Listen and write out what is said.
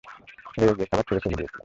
রেগে গিয়ে খাবার ছুঁড়ে ফেলে দিয়েছিলাম।